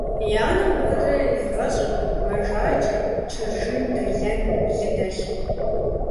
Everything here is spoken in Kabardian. И анэм куэдрэ иригъэщӏырт мэжаджэ, чыржын, дэлэн, лы дэлъу.